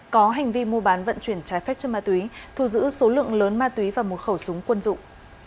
có hành vi mua bán vận chuyển trái phép chất ma túy thu giữ số lượng lớn ma túy và một khẩu súng quân dụng